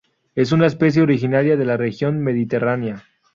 Es una especie originaria de la región mediterránea.